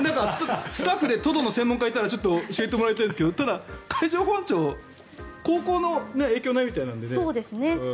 スタッフでトドの専門家がいたら教えてもらいたいんですけどただ、海上保安庁航行の影響はないみたいなのでね。